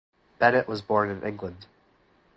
Bennett was born in England.